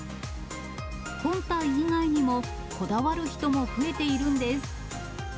本体以外にもこだわる人も増えているんです。